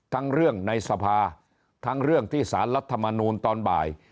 ทั้งเรื่องในสภาทั้งเรื่องที่สารรัฐมนูลตอนบ่าย